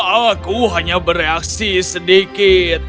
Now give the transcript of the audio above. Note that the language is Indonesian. aku hanya bereaksi sedikit